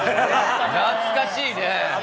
懐かしいね。